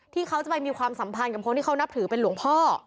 ที่เขาจะไปมีความสัมพันธ์กับคนที่เขานับถือเป็นหลวงพ่อ